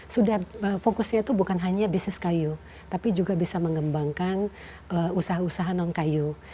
sudah fokusnya itu bukan hanya bisnis kayu tapi juga bisa mengembangkan usaha usaha non kayu